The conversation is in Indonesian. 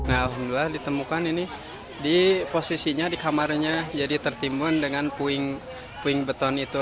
ada di kamarnya gitu pasti tertimunya di situ gitu